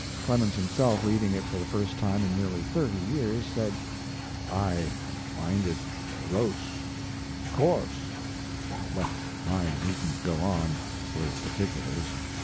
Clemens himself, reading it for the first time in nearly thirty years, said: "I find it gross, coarse well, I needn't go on with particulars.